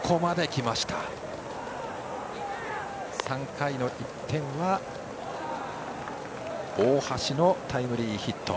３回の１点は大橋のタイムリーヒット。